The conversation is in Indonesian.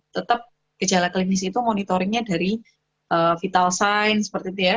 tetap gejala klinis itu monitoringnya dari vital sign seperti itu ya